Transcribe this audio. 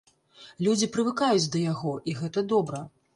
Людзі прывыкаюць да яго, і гэта добра.